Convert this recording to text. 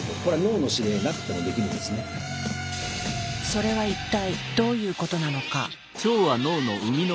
それは一体どういうことなのか。